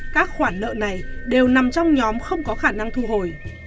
các khoản nợ này đều nằm trong nhóm không có khả năng thu hồi